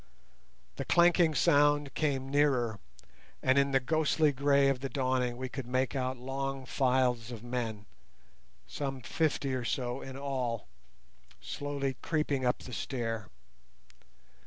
The clanking sound came nearer, and in the ghostly grey of the dawning we could make out long files of men, some fifty or so in all, slowly creeping up the stair.